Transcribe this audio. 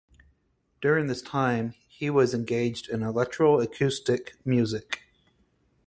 During this time he was engaged in electroacoustic music.